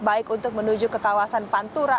baik untuk menuju ke kawasan pantura